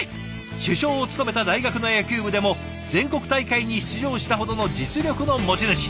主将を務めた大学の野球部でも全国大会に出場したほどの実力の持ち主。